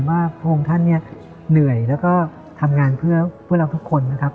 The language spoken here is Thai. ว่าพระองค์ท่านเหนื่อยแล้วก็ทำงานเพื่อเราทุกคน